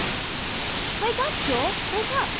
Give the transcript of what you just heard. "WAKE up, Joel! Wake up!